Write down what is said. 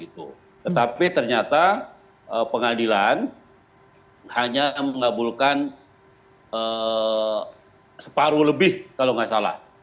tetapi ternyata pengadilan hanya mengabulkan separuh lebih kalau nggak salah